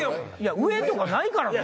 上とかないからね！